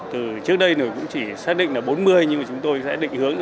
trước đây cũng chỉ xác định là bốn mươi nhưng mà chúng tôi sẽ định hướng